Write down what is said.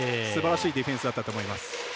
すばらしいディフェンスだったと思います。